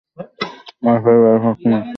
আর ফেরবার পথ নেই।